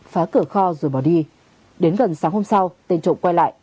phá cửa kho rồi bỏ đi đến gần sáng hôm sau tên trộm quay lại